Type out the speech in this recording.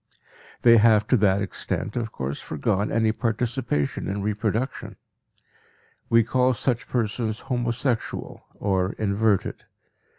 They have to that extent, of course, foregone any participation in reproduction. We call such persons homosexual or inverted.